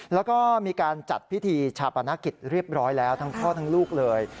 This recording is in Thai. แล้วก็มีการจัดพิธีชาปนกิจเรียบร้อยแล้วทั้งพ่อทั้งลูกเลย